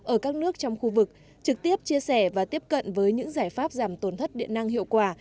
ở các nước trong khu vực trực tiếp chia sẻ và tiếp cận với những giải pháp giảm tổn thất điện năng hiệu quả